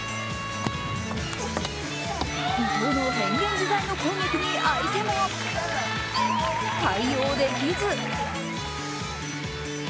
伊藤の変幻自在の攻撃に相手も対応できず。